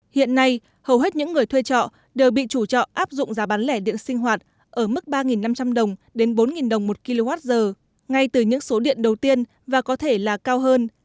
hiện nay hầu hết những người thuê trọ đều bị chủ trọ áp dụng giá bán lẻ điện sinh hoạt ở mức ba năm trăm linh đồng đến bốn đồng một kwh ngay từ những số điện đầu tiên và có thể là cao hơn